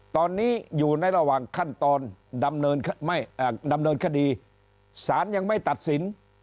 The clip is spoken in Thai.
ตอนนี้อยู่ในระหว่างขั้นตอนดำเนินคดีสารยังไม่ตัดสิน